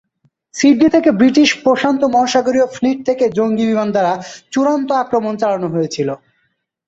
Sydney থেকে British প্রশান্ত মহাসাগরীয় ফ্লিট থেকে জঙ্গী বিমান দ্বারা চূড়ান্ত আক্রমণ চালানো হয়েছিল।